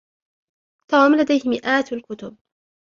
توم لديه مئات الكتب.